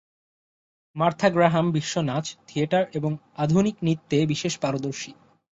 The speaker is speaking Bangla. মার্থা গ্রাহাম বিশ্ব নাচ, থিয়েটার এবং আধুনিক নৃত্যে বিশেষ পারদর্শী।